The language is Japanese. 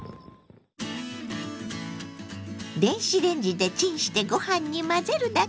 電子レンジでチンしてご飯に混ぜるだけ！